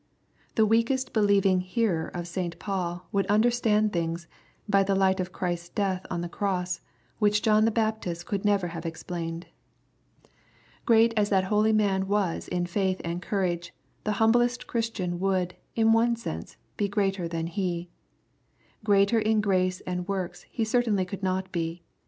The weakest believing hearer of St. Paul would under stand things, by the light of Christ's death on the cross, which John the Baptist could never have explained. Great as that holy man was in faith and courage, the humblest Christian would, in one sense, be greater than he. Greater in grace and works he certainly could not be.